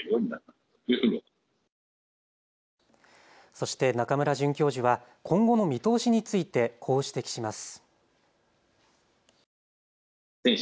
そして中村准教授は今後の見通しについて、こう指摘します。